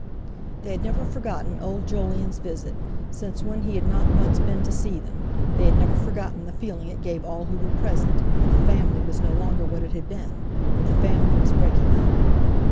They had never forgotten old Jolyon's visit, since when he had not once been to see them; they had never forgotten the feeling it gave all who were present, that the family was no longer what it had been—that the family was breaking up.